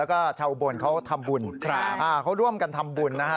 ก็เช่าบนเขาทำบุญเขาร่วมกันทำบุญนะครับ